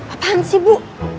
apaan sih bu